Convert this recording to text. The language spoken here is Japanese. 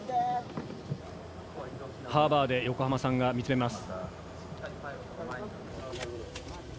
ハーバーで横濱さんが見つめます。